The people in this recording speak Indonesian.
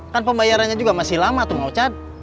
kan pembayarannya juga masih lama tuh mau cat